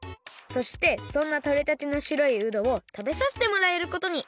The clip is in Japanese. そしてそんなとれたてのしろいうどをたべさせてもらえることに！